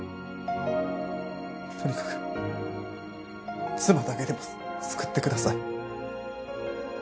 とにかく妻だけでも救ってください。